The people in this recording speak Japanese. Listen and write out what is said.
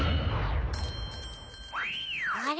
あれ？